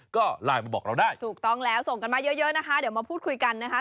ก็ไลน์มาบอกเราได้ถูกต้องแล้วส่งกันมาเยอะเยอะนะคะเดี๋ยวมาพูดคุยกันนะคะ